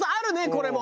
これも。